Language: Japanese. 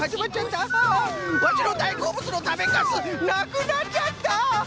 ワシのだいこうぶつのたべカスなくなっちゃった！